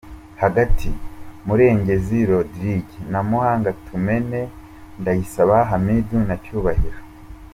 Hagati:Murengezi rodirige, Ntamuhanga Tumene, Ndayisaba Hamidu na Cyubahiro.